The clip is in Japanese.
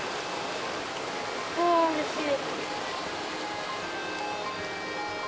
あうれしい。